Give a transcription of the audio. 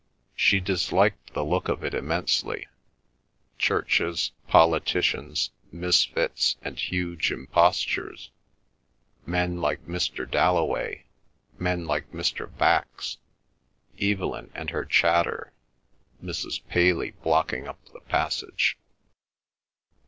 She disliked the look of it immensely—churches, politicians, misfits, and huge impostures—men like Mr. Dalloway, men like Mr. Bax, Evelyn and her chatter, Mrs. Paley blocking up the passage.